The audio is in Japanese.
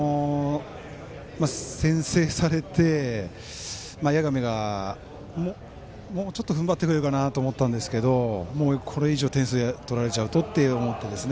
先制されて谷亀がもうちょっとふんばってくれるかなと思ったんですけどもうこれ以上点数取られちゃうとというところですね。